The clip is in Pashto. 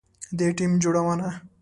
د ټیم جوړونه